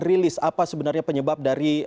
rilis apa sebenarnya penyebab dari